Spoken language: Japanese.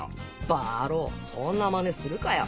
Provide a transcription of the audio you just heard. バロそんなマネするかよ。